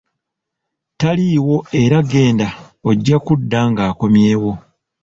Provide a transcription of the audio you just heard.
Taliiwo era genda ojja kudda ng'akomyewo